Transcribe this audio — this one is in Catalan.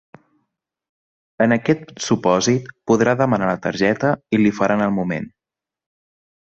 En aquest supòsit podrà demanar la targeta i la hi faran al moment.